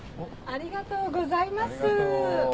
ありがとうございます。